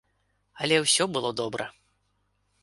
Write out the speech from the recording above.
Але ўсё было добра!